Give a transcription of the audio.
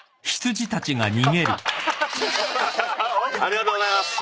ありがとうございます。